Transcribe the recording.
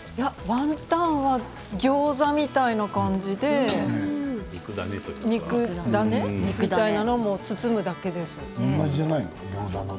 ワンタンはギョーザみたいな感じで肉ダネみたいなものを包むだけですね。